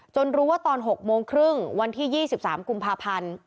จนรู้ว่าตอน๖โมงครึ่งวันที่๒๓กุพ